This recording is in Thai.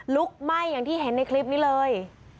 ลุกไหม้อย่างที่เห็นในคลิปนี้เลย